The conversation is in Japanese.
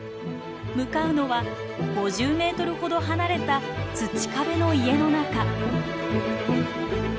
向かうのは５０メートルほど離れた土壁の家の中。